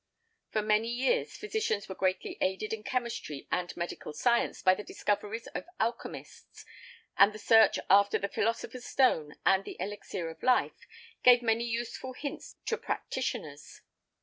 For many years physicians were greatly aided in chemistry and medical science by the discoveries of alchemists, and the search after the philosopher's stone and the elixir of life gave many useful hints to practitioners.